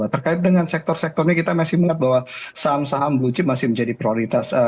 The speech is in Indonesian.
terkait dengan sektor sektornya kita masih melihat bahwa saham saham blue chip masih menjadi prioritas